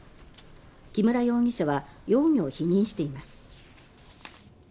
木村容疑者は容疑を否認しています。